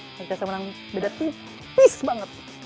nanti saya menang beda tipis banget